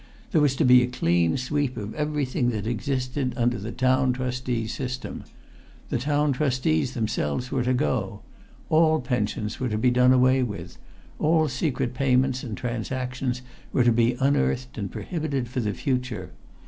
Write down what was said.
There was to be a clean sweep of everything that existed under the Town Trustee system. The Town Trustees themselves were to go. All pensions were to be done away with. All secret payments and transactions were to be unearthed and prohibited for the future.